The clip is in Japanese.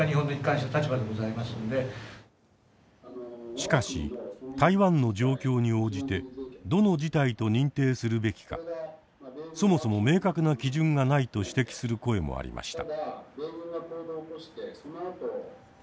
しかし台湾の状況に応じてどの事態と認定するべきかそもそも明確な基準がないと指摘する声もありました。